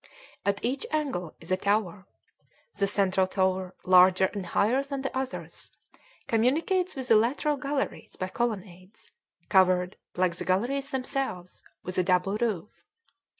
At each angle is a tower. The central tower, larger and higher than the others, communicates with the lateral galleries by colonnades, covered, like the galleries themselves with a double roof.